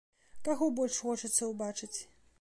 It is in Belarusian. Каго больш хочацца ўбачыць?